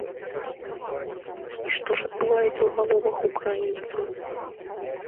І што ж адбываецца ў галовах украінцаў?